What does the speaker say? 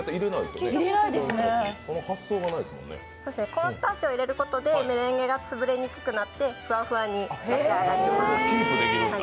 コーンスターチを入れることでメレンゲが潰れにくくなってふわふわにできます。